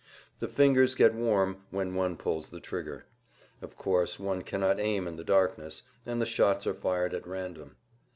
The fingers get warm when one pulls the trigger. Of course, one cannot aim in the darkness, and the shots are fired at random.